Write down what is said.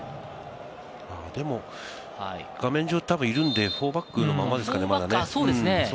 でも画面上いるので、４バックのままですかね、まだね。